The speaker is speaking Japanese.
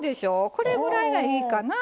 これぐらいがいいかな。